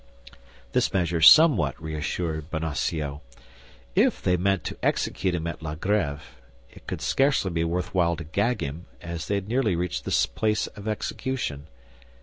This measure somewhat reassured Bonacieux. If they meant to execute him at La Grêve, it could scarcely be worth while to gag him, as they had nearly reached the place of execution.